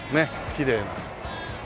きれいな。